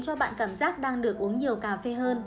cho bạn cảm giác đang được uống nhiều cà phê hơn